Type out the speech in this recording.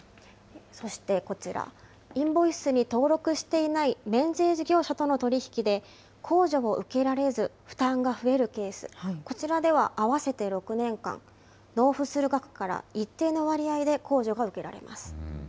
そしてこちら、インボイスに登録していない免税事業者との取り引きで、控除を受けられず、負担が増えるケース、こちらでは合わせて６年間、納付する額から一定の割合で控除が受けられます。